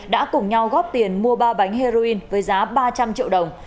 đã cùng nhau góp tiền mua ba bánh heroin với giá ba trăm linh triệu đồng